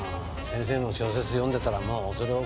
先生の小説読んでたらもう恐れ多くて。